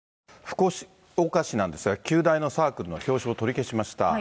福岡市なんですが、九大のサークルの表彰を取り消しました。